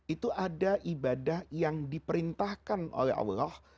itu ada ibadah yang diperintahkan oleh allah